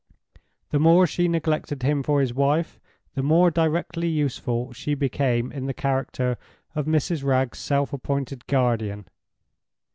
The more she neglected him for his wife the more directly useful she became in the character of Mrs. Wragge's self appointed guardian.